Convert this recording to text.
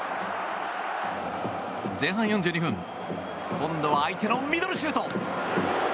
前半４２分、今度は相手のミドルシュート。